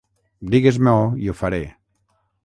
Digues-m'ho i ho faré.